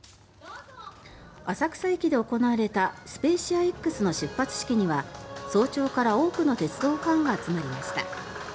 浅草駅で行われたスペーシアＸの出発式には早朝から多くの鉄道ファンが集まりました。